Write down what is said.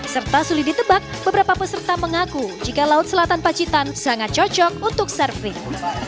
serta sulit ditebak beberapa peserta mengaku jika laut selatan pacitan sangat cocok untuk surfing